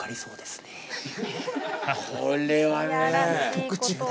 これはね。